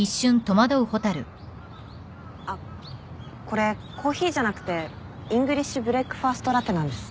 あっこれコーヒーじゃなくてイングリッシュブレックファーストラテなんです。